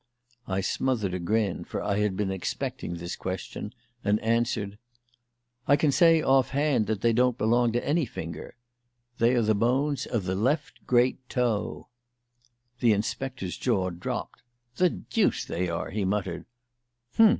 I smothered a grin (for I had been expecting this question), and answered: "I can say off hand that they don't belong to any finger. They are the bones of the left great toe." The inspector's jaw dropped. "The deuce they are!" he muttered.